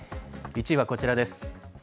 １位はこちらです。